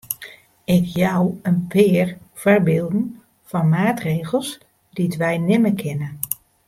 Ik jou in pear foarbylden fan maatregels dy't wy nimme kinne.